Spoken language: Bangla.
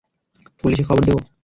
পুলিশে খবর দেব?